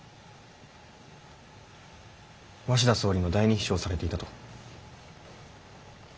鷲田総理の第二秘書をされていたと。